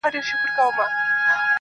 د زړو شرابو ډکي دوې پیالې دي.